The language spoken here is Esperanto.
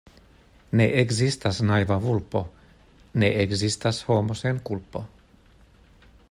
Ne ekzistas naiva vulpo, ne ekzistas homo sen kulpo.